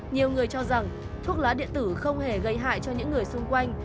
nhiều người cho rằng thuốc lá điện tử không hề gây hại cho những người xung quanh